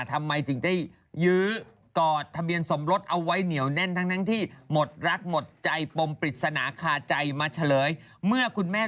ทำไมจึงได้ยื้อกอดทะเบียนสมรสเอาไว้เหนียวแน่น